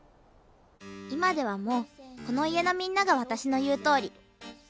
今ではもうこの家のみんなが私の言うとおり。